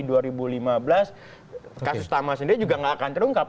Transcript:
kasus tamas sendiri juga gak akan terungkap